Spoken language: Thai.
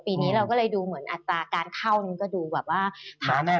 ปีนี้เราก็เลยดูเหมือนอัตราการเข้านี่ก็ดูแบบว่าหาแม่